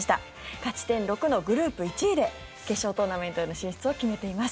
勝ち点６のグループ１位で決勝トーナメントへの進出を決めています。